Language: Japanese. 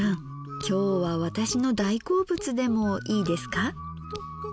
今日は私の大好物でもいいですか。